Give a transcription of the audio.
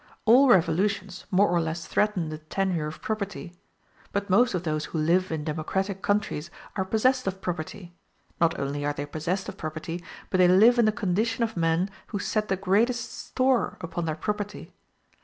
All revolutions more or less threaten the tenure of property: but most of those who live in democratic countries are possessed of property not only are they possessed of property, but they live in the condition of men who set the greatest store upon their property.